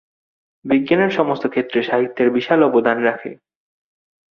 বিজ্ঞানের সমস্ত ক্ষেত্রে, সাহিত্যের বিশাল অবদান রাখে।